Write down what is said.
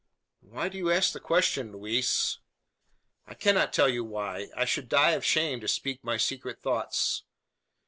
"Why do you ask the question, Louise?" "I cannot tell you why. I should die of shame to speak my secret thoughts."